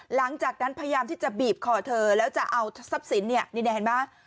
หลังจากนั้นพยายามที่จะบีบคอเธอแล้วจะเอาทรัพย์สินเนี่ยนี่เห็นไหม